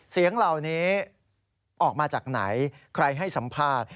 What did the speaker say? เสียงเหล่านี้ออกมาจากไหนใครให้สัมภาษณ์